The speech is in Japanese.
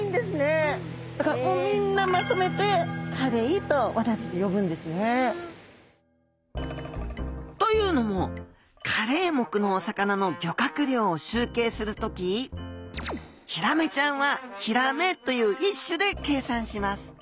みんなまとめて「カレイ」と私たち呼ぶんですね。というのもカレイ目のお魚の漁獲量を集計する時ヒラメちゃんは「ヒラメ」という１種で計算します。